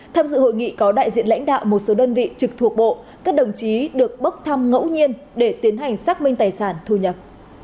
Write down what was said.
tham dự hội nghị có đại diện lãnh đạo một số đơn vị trực thuộc bộ các đồng chí được bốc thăm ngẫu nhiên để tiến hành xác minh tài sản thu nhập